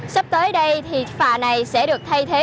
sắp tới đây thì phà này sẽ được thay thế